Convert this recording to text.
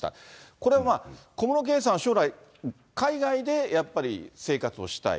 これはまあ、小室圭さんは将来、海外でやっぱり生活をしたい。